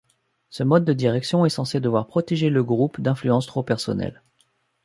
Ce mode de direction est censé devoir protéger le groupe d'influences trop personnelles.